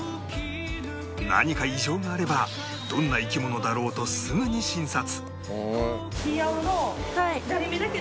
何か異常があればどんな生き物だろうとすぐに診察